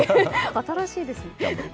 新しいですね。